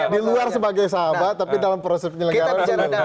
di luar sebagai sahabat tapi dalam proses penyelenggaraan